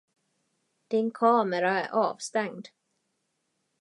Din kamera är avstängd.